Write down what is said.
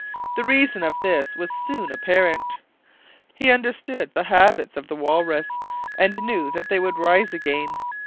The reason of this was soon apparent. He understood the habits of the walrus, and knew that they would rise again.